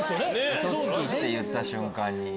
ウソつきって言った瞬間。